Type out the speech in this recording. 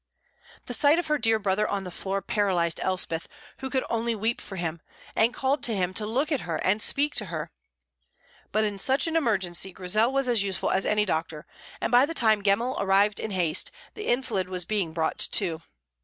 The sight of her dear brother on the floor paralyzed Elspeth, who could only weep for him, and call to him to look at her and speak to her. But in such an emergency Grizel was as useful as any doctor, and by the time Gemmell arrived in haste the invalid was being brought to.